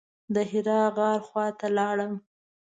د حرا غار خواته لاړم.